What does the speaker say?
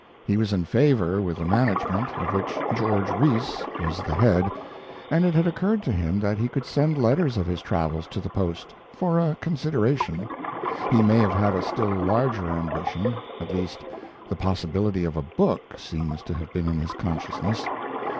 He was in favor with the management, of which George Rees was the head, and it had occurred to him that he could send letters of his travels to the Post for, a consideration. He may have had a still larger ambition; at least, the possibility of a book seems to have been in his consciousness.